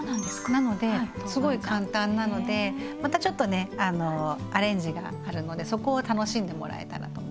なのですごい簡単なのでまたちょっとねアレンジがあるのでそこを楽しんでもらえたらと思います。